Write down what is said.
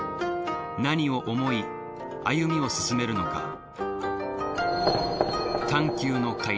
何を思い歩みを進めるのか。